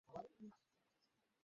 আমার সাথেই থাক।